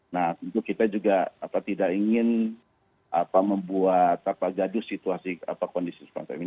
nah kita juga tidak ingin membuat jadu situasi kondisi